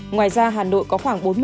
ngoài ra hà nội có khoảng bốn mươi